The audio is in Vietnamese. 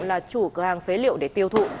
là chủ cửa hàng phế liệu để tiêu thụ